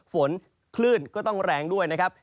ฝนคลื่นก็ต้องแรงด้วยนะครับ